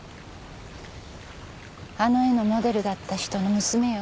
あの絵のモデルだった人の娘よ。